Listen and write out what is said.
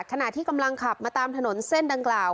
ขณะที่กำลังขับมาตามถนนเส้นดังกล่าว